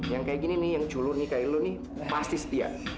yang kayak gini nih yang julur nih kayak lu nih pasti setia